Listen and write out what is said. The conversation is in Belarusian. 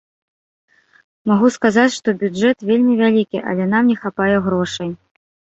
Магу сказаць, што бюджэт вельмі вялікі, але нам не хапае грошай.